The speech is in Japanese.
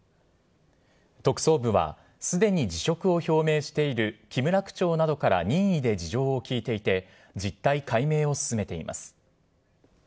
特捜部は、すでに辞職を表明している木村区長などから任意で事情を聴いていて、実態解明を進めています。